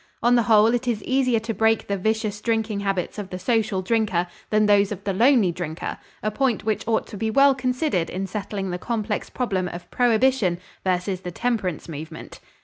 On the whole it is easier to break the vicious drinking habits of the social drinker than those of the lonely drinker, a point which ought to be well considered in settling the complex problem of prohibition versus the temperance movement.